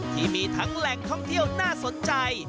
ที่มีทั้งแหล่งท่องเที่ยวน่าสนใจ